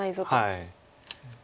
はい。